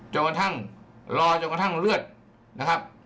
จนกระทั่งรอจนกระทั่งเลือดนะครับ